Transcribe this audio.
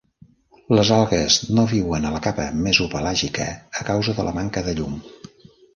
Les algues no viuen a la capa mesopelàgica a causa de la manca de llum.